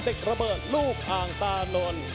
เด็กระเบิดลูกอ่างตานนวล